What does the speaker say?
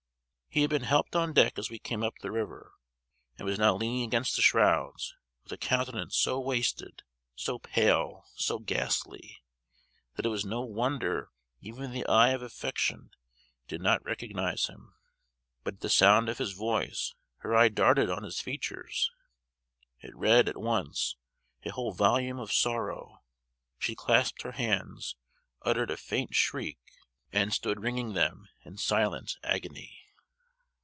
He had been helped on deck as we came up the river, and was now leaning against the shrouds, with a countenance so wasted, so pale, so ghastly, that it was no wonder even the eye of affection did not recognize him. But at the sound of his voice, her eye darted on his features: it read, at once, a whole volume of sorrow; she clasped her hands, uttered a faint shriek, and stood wringing them in silent agony.